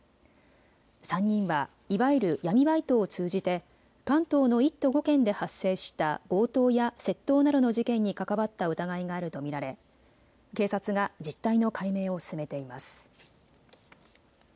３人はいわゆる闇バイトを通じて関東の１都５県で発生した強盗や窃盗などの事件に関わった疑いがあると見られ警察が実態の解明を進めています。